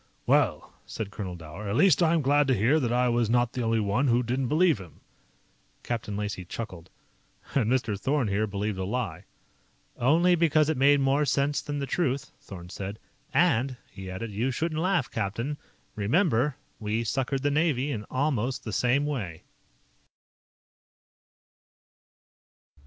"Well," said Colonel Dower, "at least I'm glad to hear that I was not the only one who didn't believe him." Captain Lacey chuckled. "And Mr. Thorn here believed a lie." "Only because it made more sense than the truth," Thorn said. "And," he added, "you shouldn't laugh, captain. Remember, we suckered the Navy in almost the same way."